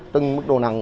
từng mức độ nặng